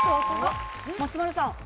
松丸さん。